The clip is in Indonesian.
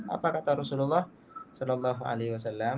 apa kata rasulullah saw